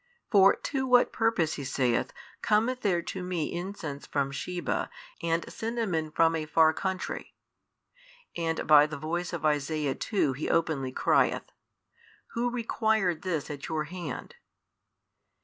For to what purpose, He saith, cometh there to Me incense from Sheba and cinnamon from a far country? and by the voice of Isaiah too He openly crieth, Who required this at your hand?